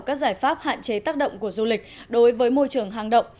các giải pháp hạn chế tác động của du lịch đối với môi trường hang động